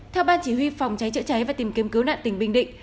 theo ban chỉ huy phòng cháy chữa cháy và tìm kiếm cứu nạn tỉnh bình định